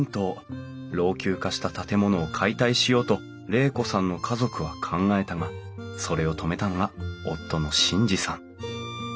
老朽化した建物を解体しようと玲子さんの家族は考えたがそれを止めたのが夫の眞二さん。